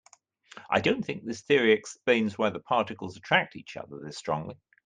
I don't think this theory explains why the particles attract each other this strongly.